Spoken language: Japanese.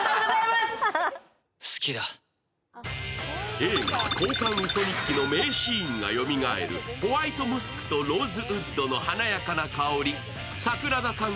映画「交換ウソ日記」の名シーンがよみがえるホワイトムスクとローズウッドの華やかな香り、桜田さん